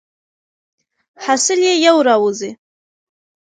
حاصل یې یو را وزي.